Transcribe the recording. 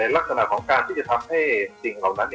ลักษณะของการที่จะทำให้สิ่งเหล่านั้น